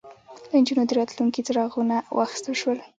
له نجونو د راتلونکي څراغونه واخیستل شول